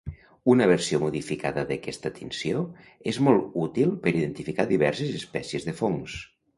Una versió modificada d'aquesta tinció és molt útil per identificar diverses espècies de fongs.